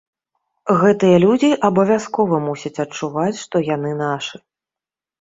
Гэтыя людзі абавязкова мусяць адчуваць, што яны нашы.